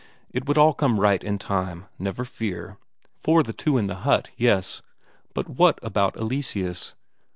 It would all come right in time, never fear. For the two in the hut, yes. But what about Eleseus?